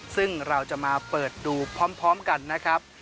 ซึ่งเราจะมาเปิดดูพร้อมกันนะครับ